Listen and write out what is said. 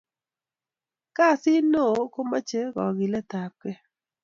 kasit noo komochei kokiletap kei